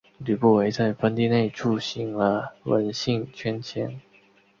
吕不韦在封地内铸行了文信圜钱。